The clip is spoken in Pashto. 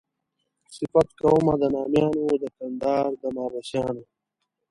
صفت کومه د نامیانو د کندهار د محبسیانو.